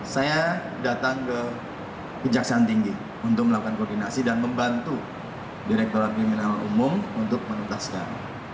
saya datang ke kejaksaan tinggi untuk melakukan koordinasi dan membantu direkturat kriminal umum untuk menuntaskan